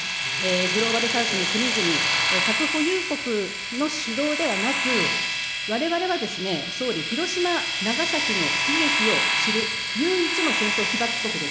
グローバル・サウスの国々、核保有国の主導ではなく、われわれは総理、広島、長崎の悲劇を知る唯一の戦争被爆国です。